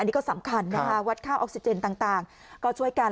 นี่ก็สำคัญนะคะวัดค่าออกซิเจนต่างก็ช่วยกัน